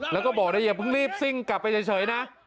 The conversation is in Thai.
แล้วก็บอกได้อย่าเพิ่งรีบซิ่งกลับไปเฉยนะ